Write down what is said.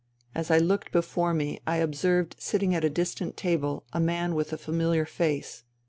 As I looked before me I observed sitting at a distant table a man with a familiar face.